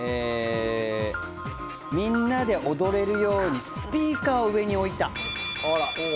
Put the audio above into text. みんなで踊れるようにスピーカーを上に置いた。